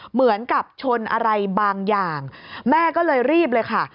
เหมือนกับชนอะไรบางอย่างแม่ก็เลยรีบเลยค่ะ